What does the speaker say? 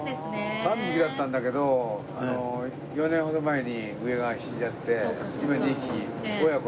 ３匹だったんだけど４年ほど前に上が死んじゃって今２匹親子なんですけど。